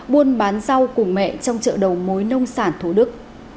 buôn bán rau cùng mẹ trong chợ đầu mối nông sản thủ đức